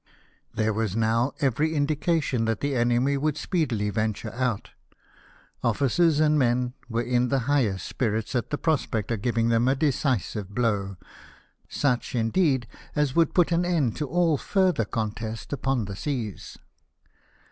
There was now every indi cation that the enemy Avould speedily venture out ; officers and men were in the highest spirits at the prospect of giving them a decisive blow, such, indeed, as would put an end to all further contest upon the seas.